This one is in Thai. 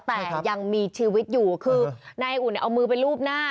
แต่ยังมีชีวิตอยู่คือนายอุ่นเนี่ยเอามือไปรูปหน้า